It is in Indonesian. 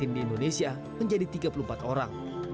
di indonesia menjadi tiga puluh empat orang